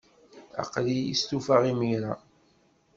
Aql-iyi stufaɣ imir-a.